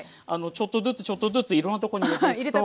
ちょっとずつちょっとずついろんなとこにおくと。